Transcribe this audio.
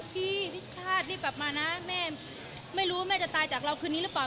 พี่พิชชาติรีบกลับมานะแม่ไม่รู้แม่จะตายจากเราคืนนี้หรือเปล่า